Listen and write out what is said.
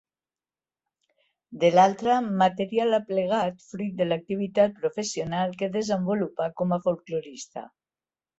De l'altra, material aplegat fruit de l'activitat professional que desenvolupà com a folklorista.